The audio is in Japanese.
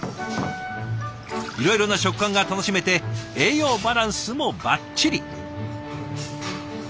いろいろな食感が楽しめて栄養バランスもばっちり。